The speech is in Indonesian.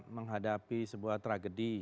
menghadapi sebuah tragedi